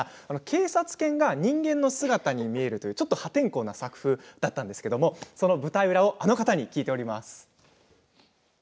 警察犬が人間の姿に見えるという破天荒な作風だったんですけれど舞台裏をあの方に聞いております。